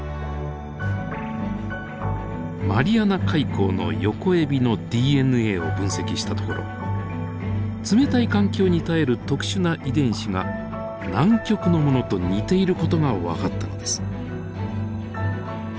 マリアナ海溝のヨコエビのＤＮＡを分析したところ冷たい環境に耐える特殊な遺伝子が南極のものと似ている事が分かったのです。